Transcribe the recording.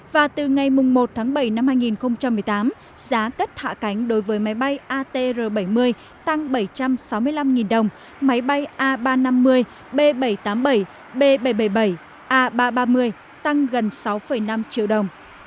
và từ ngày một tháng bảy năm hai nghìn một mươi tám giá cất hạ cánh đối với máy bay atr bảy mươi tăng bảy trăm sáu mươi năm đồng máy bay a ba trăm năm mươi b bảy trăm tám mươi bảy b bảy trăm bảy mươi bảy a ba trăm ba mươi tăng gần sáu năm triệu đồng